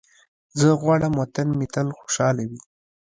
زه غواړم وطن مې تل خوشحاله وي.